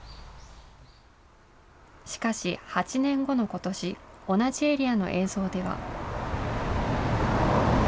しかし、８年後のことし、同じエリアの映像では。